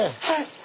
はい。